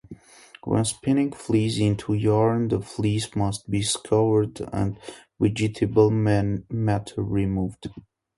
When spinning fleece into yarn, the fleece must be scoured and vegetable matter removed.